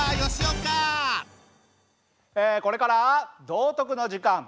えこれから道徳の時間。